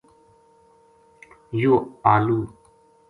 یوہ آلو